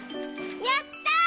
やった！